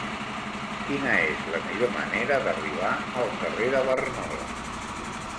Quina és la millor manera d'arribar al carrer de Barnola?